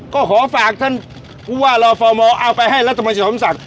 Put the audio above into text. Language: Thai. ก็ขอฝากท่านผู้ว่าเราฟมเอาไปให้รัฐบาลชาติธรรมศักดิ์